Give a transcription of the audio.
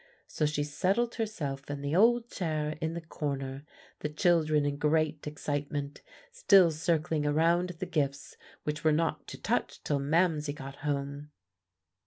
So she settled herself in the old chair in the corner, the children in great excitement still circling around the gifts which they were not to touch till Mamsie got home.